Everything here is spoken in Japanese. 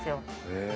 へえ。